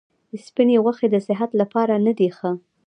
سپیني غوښي د صحت لپاره نه دي ښه.